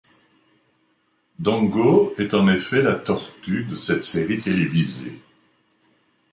Dongo est en effet la tortue de cette série télévisée.